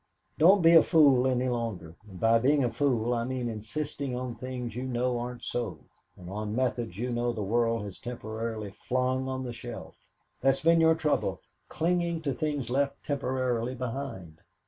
Don't be a fool any longer and by being a fool I mean insisting on things you know aren't so, and on methods you know the world has temporarily flung on the shelf. That's been your trouble clinging to things left temporarily behind.